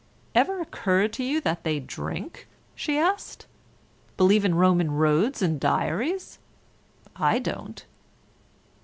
"Ever occurred to you that they drink?" she asked. "Believe in Roman roads and diaries? I don't."